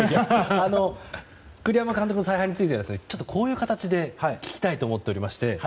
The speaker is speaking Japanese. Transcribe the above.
栗山監督の采配についてこういう形で聞きたいと思っておりまして。